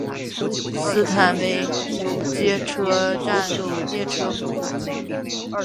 斯坦威街车站列车服务。